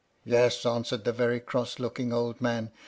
"Yes," answered a very cross looking old man.